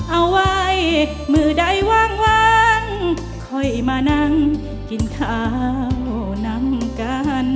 เอาไว้มือใดวางค่อยมานั่งกินข้าวนั่งกัน